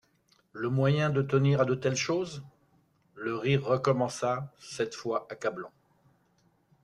Le moyen de tenir à de telles choses! le rire recommença, cette fois accablant.